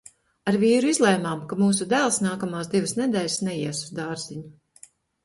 Ar vīru izlēmām, ka mūsu dēls nākamās divas nedēļas neies uz dārziņu.